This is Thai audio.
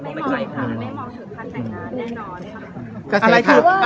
มองค่ะไม่มองถึงขั้นแต่งงานแน่นอนค่ะ